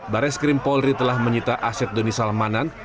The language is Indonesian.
baris krim polri telah menyita aset doni salmanan